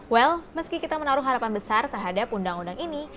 well meski kita menaruh harapan besar terhadap undang undang ini